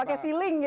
pakai feeling gitu